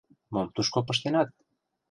Мом тушко пыштенат?